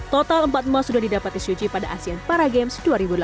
total empat emas sudah didapat di syuji pada asean para games dua ribu delapan belas